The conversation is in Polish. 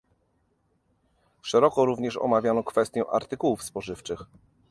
Szeroko również omawiano kwestię artykułów spożywczych